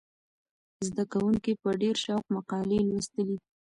زده کوونکي په ډېر شوق مقالې لوستلې.